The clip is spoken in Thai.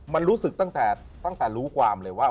มันรู้สึกตั้งแต่รู้ความเลยว่า